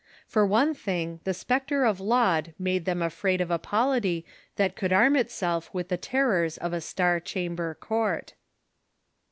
For one thing, the spectre of Laud made them afraid, of a polity that could arm itself with the terrors of a Star Chamber Court.